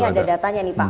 oke ini ada datanya nih pak